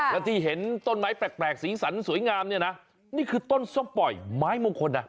แล้วที่เห็นต้นไม้แปลกสีสันสวยงามเนี่ยนะนี่คือต้นส้มปล่อยไม้มงคลอ่ะ